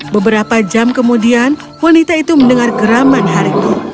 beberapa jam kemudian wanita itu mendengar geraman harimau